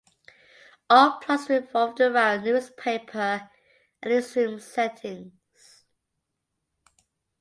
All plots revolved around newspaper and newsroom settings.